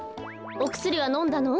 おくすりはのんだの？